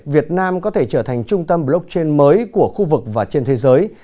việt nam có thể trở thành trung tâm blockchain mới của khu vực và trên thế giới